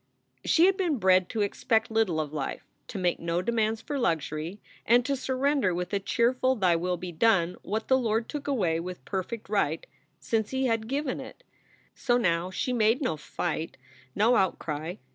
She had been bred to expect little of life, to make no demands for luxury, and to surrender with a cheerful Thy will be done what the Lord took away with perfect right, since He had given it. So now she made no fight, no outcry.